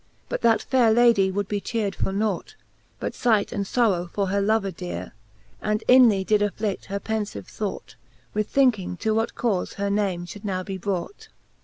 But that faire Lady would be cheard for nought, But figh'd and forrow'd for her lover deare, And inly did afflict her penfive thought, With thinking to what cafe her name fhould now be brought.